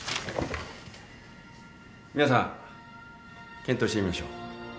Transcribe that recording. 皆さん検討してみましょう。